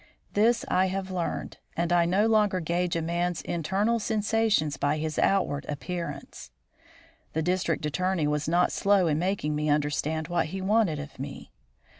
This I have learned, and I no longer gauge a man's internal sensations by his outward appearance. The District Attorney was not slow in making me understand what he wanted of me.